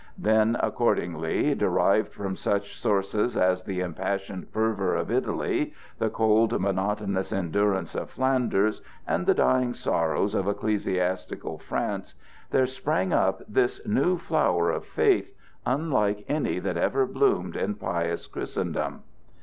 Then, accordingly, derived from such sources as the impassioned fervor of Italy, the cold, monotonous endurance of Flanders, and the dying sorrows of ecclesiastical France, there sprang up this new flower of faith, unlike any that ever bloomed in pious Christendom.